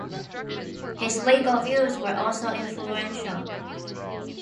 His legal views were also influential.